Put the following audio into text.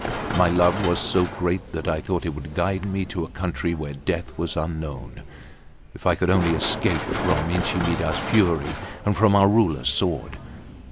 My love was so great, that I thought it could guide me to a country where death was unknown, if I could only escape from Inchi Midahs fury and from our Rulers sword.